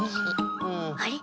あれ？